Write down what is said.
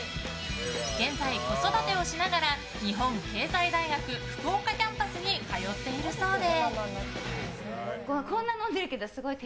現在、子育てをしながら日本経済大学福岡キャンパスに通っているそうで。